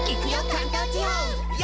関東地方！」